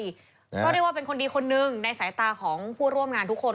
ก็เรียกว่าเป็นคนดีคนหนึ่งในสายตาของผู้ร่วมงานทุกคน